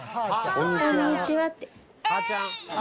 こんにちはって。